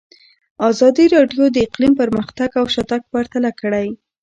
ازادي راډیو د اقلیم پرمختګ او شاتګ پرتله کړی.